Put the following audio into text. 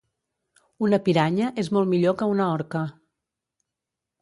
Una piranya és molt millor que una orca